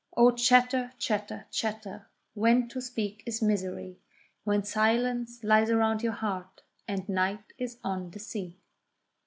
O chatter, chatter, chatter, when to speak is misery, When silence lies around your heart—and night is on the sea.